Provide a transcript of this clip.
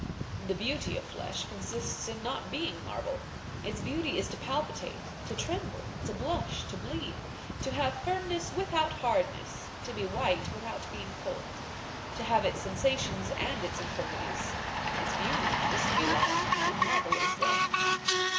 The beauty of flesh consists in not being marble: its beauty is to palpitate, to tremble, to blush, to bleed, to have firmness without hardness, to be white without being cold, to have its sensations and its infirmities; its beauty is to be life, and marble is death.